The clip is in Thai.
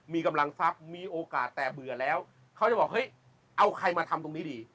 มีกำลังทรัพย์มีโอกาสแต่เบื่อแล้วเขาจะบอกเฮ้ยเอาใครมาทำตรงนี้ดี